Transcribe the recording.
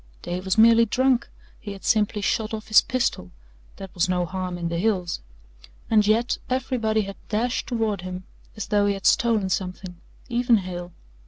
Dave was merely drunk, he had simply shot off his pistol that was no harm in the hills. And yet everybody had dashed toward him as though he had stolen something even Hale.